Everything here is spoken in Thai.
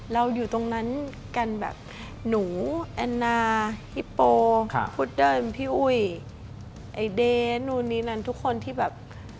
เราอยู่ตรงนั้นกันแบบหนูแอนนาฮิปโปพุดเดิ้ลพี่อุ้ยไอ้เดย์นู่นนี่นั่นทุกคนที่แบบ